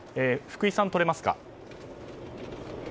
福井さん、取れますか。